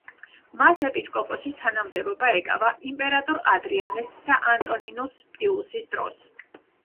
მას ეპისკოპოსის თანამდებობა ეკავა იმპერატორ ადრიანეს და ანტონინუს პიუსის დროს.